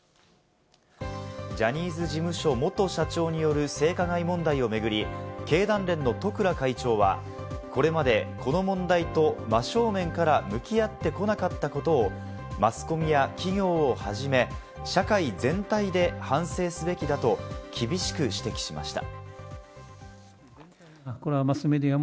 ジャニーズ事務所元社長による性加害問題を巡り、経団連の十倉会長は、これまでこの問題と真正面から向き合ってこなかったことをマスコミや企業をはじめ社会全体で反省すべきだと厳しく指摘しました。